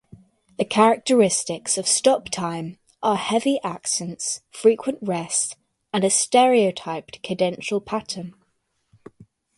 The characteristics of stop-time are heavy accents, frequent rests, and a stereotyped cadential pattern.